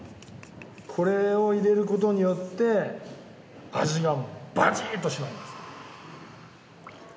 これを入れることによって味がバチーッと締まります。